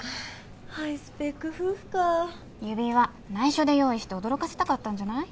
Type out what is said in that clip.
ハイスペック夫婦か指輪内緒で用意して驚かせたかったんじゃない？